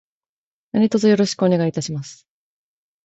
何卒よろしくお願いいたします。